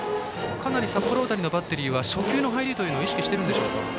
かなり札幌大谷のバッテリーは初球の入りを意識しているのでしょうか。